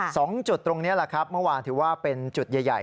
สองจุดตรงนี้แหละครับเมื่อวานถือว่าเป็นจุดใหญ่ใหญ่